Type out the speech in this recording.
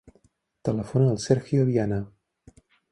Telefona al Sergio Viana.